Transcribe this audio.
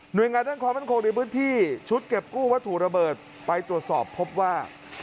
โดยงานด้านความมั่นคงในพื้นที่ชุดเก็บกู้วัตถุระเบิดไปตรวจสอบพบว่า